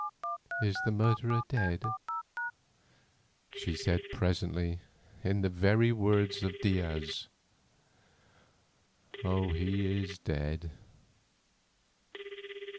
"Is the murderer dead?" she said presently in the very words of Diaz. "He is dead."